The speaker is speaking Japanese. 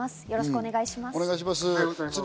よろしくお願いします。